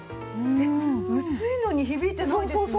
薄いのに響いてないですね。